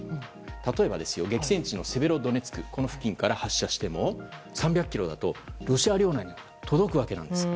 例えば、激戦地のセベロドネツクこの付近から発射しても３００ｋｍだとロシア領内に届くわけなんです。